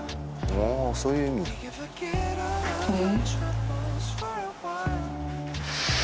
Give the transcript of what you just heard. ああそういう意味だおっ？